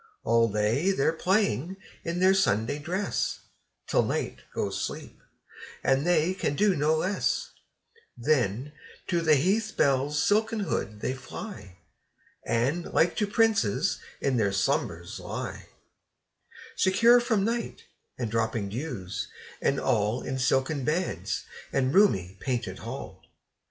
All day they're playing in their Sunday dress Till night goes sleep, and they can do no less; Then, to the heath bell's silken hood they fly, And like to princes in their slumbers lie, Secure from night, and dropping dews, and all, In silken beds and roomy painted hall.